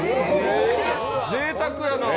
ぜいたくやな。